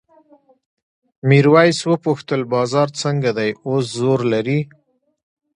میرويس وپوښتل بازار څنګه دی اوس زور لري؟